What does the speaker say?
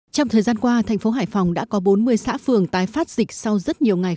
trong thời gian qua thành phố hải phòng đã có bốn mươi xã phường tái phát dịch sau rất nhiều ngày